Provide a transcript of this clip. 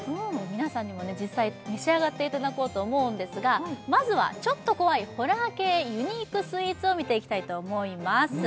皆さんにも実際召し上がっていただこうと思うんですがまずはちょっと怖いホラー系ユニークスイーツを見ていきたいと思います